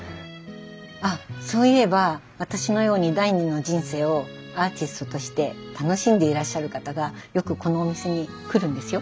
あっそういえば私のように第２の人生をアーティストとして楽しんでいらっしゃる方がよくこのお店に来るんですよ。